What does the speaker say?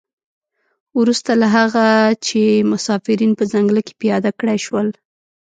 وروسته له هغه چې مسافرین په ځنګله کې پیاده کړای شول.